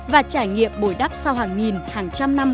và trải nghiệm bồi đắp sau hàng nghìn hàng trăm năm